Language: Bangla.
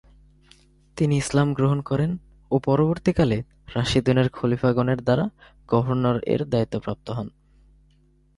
তিনি ইসলাম গ্রহণ করেন ও পরবর্তীকালে রাশিদুনের খলিফাগণের দ্বারা ‘গভর্নর’ এর দ্বায়িত্ব প্রাপ্ত হন।